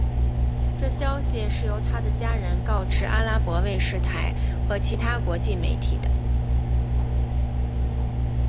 这消息是由他的家人告知阿拉伯卫视台和其他国际媒体的。